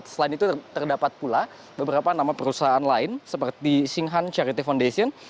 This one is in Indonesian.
selain itu terdapat pula beberapa nama perusahaan lain seperti singhan charity foundation